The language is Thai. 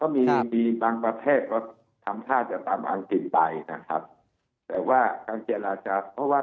มีประเทศทำผ้าอย่างตามอาจจะอังกฤษไป